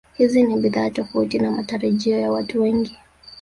Hizi ni bidhaa tofauti na matarajio ya watu wengi